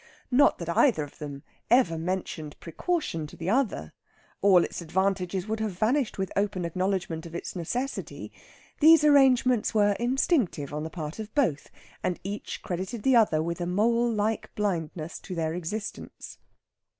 Not that either of them ever mentioned precaution to the other; all its advantages would have vanished with open acknowledgment of its necessity. These arrangements were instinctive on the part of both, and each credited the other with a mole like blindness to their existence.